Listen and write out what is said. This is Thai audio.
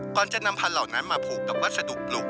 ก่อนจะนำพันธุเหล่านั้นมาผูกกับวัสดุปลูก